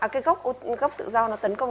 cái gốc tự do nó tấn công